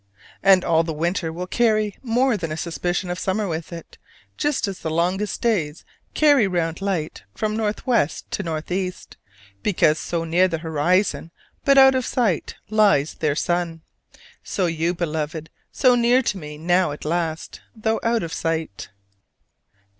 And all the winter will carry more than a suspicion of summer with it, just as the longest days carry round light from northwest to northeast, because so near the horizon, but out of sight, lies their sun. So you, Beloved, so near to me now at last, though out of sight.